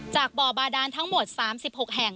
จากบ่อบาดานทั้งหมด๓๖แห่ง